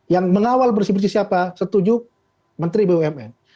yang mengawal bersih bersih siapa setuju menteri bumn